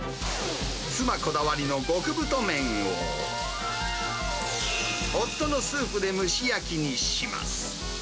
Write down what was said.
妻こだわりの極太麺を、夫のスープで蒸し焼きにします。